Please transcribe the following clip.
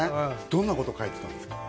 どんなこと書いてたんですか？